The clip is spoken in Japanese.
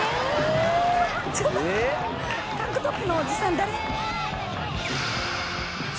タンクトップのおじさん誰？